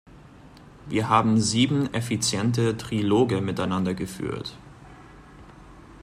Wir haben sieben effiziente Triloge miteinander geführt.